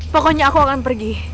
pokoknya aku akan pergi